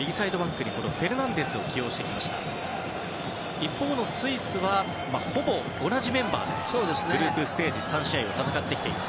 一方のスイスはほぼ同じメンバーでグループステージ３試合を戦ってきています。